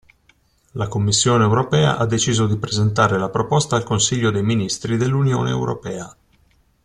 La Commissione Europea ha deciso di presentare la proposta al Consiglio dei Ministri dell'Unione Europea.